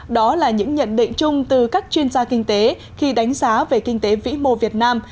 đó là những nhận định chung từ các chuyên gia kinh tế khi đánh giá về kinh tế vĩ mô việt nam